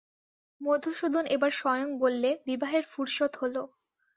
মধুসূদন এবার স্বয়ং বললে, বিবাহের ফুরসত হল।